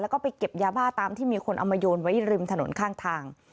แล้วก็ไปเก็บยาบ้าตามที่มีคนเอามาโยนไว้ริมถนนข้างทาง